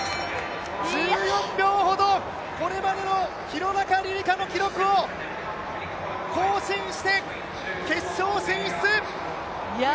１４秒ほど、これまでの廣中璃梨佳の記録を更新して決勝進出！